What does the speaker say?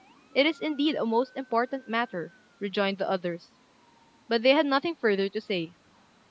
"It is, indeed, a most important matter," rejoined the others; but they had nothing further to say.